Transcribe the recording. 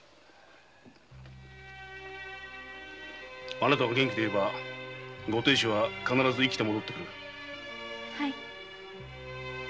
あなたが元気でいればご亭主は必ず生きて戻ってくる。